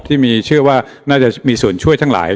ที่มีเชื่อว่าน่าจะมีส่วนช่วยทั้งหลาย